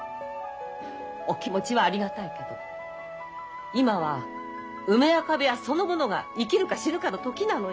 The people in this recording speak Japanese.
お気持ちはありがたいけど今は梅若部屋そのものが生きるか死ぬかの時なのよ。